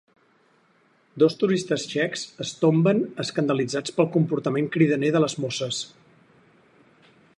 Dos turistes txecs es tomben, escandalitzats pel comportament cridaner de les mosses.